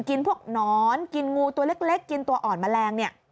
กินพวกหนอนกินงูตัวเล็กกินตัวอ่อนแมลงเนี่ย